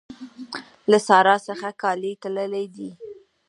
له سارا څخه کالي تللي دي.